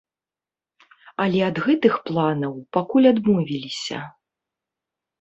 Але ад гэтых планаў пакуль адмовіліся.